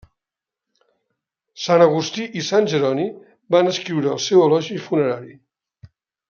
Sant Agustí i sant Jeroni van escriure el seu elogi funerari.